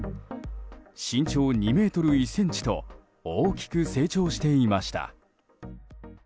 身長２ｍ１ｃｍと大きく成長していました。